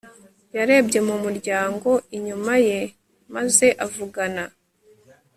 Yarebye mu muryango inyuma ye maze avugana